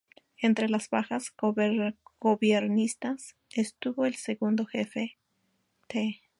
Entre las bajas gobiernistas estuvo el Segundo Jefe, Tte.